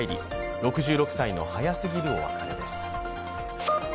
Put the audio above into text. ６６歳の早すぎるお別れです。